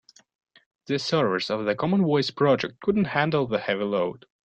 The servers of the common voice project couldn't handle the heavy load.